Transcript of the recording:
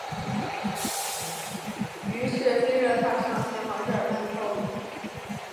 于是乎腓特烈踏上前往日尔曼的道路。